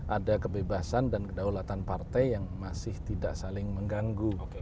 ada kebebasan dan kedaulatan partai yang masih tidak saling mengganggu